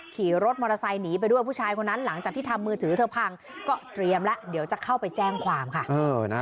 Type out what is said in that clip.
ขี่รถมอเตอร์ไซค์หนีไปด้วยผู้ชายคนนั้นหลังจากที่ทำมือถือเธอพังก็เตรียมแล้วเดี๋ยวจะเข้าไปแจ้งความค่ะ